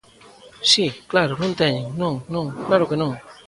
Si, claro, non teñen, non, non, claro que non.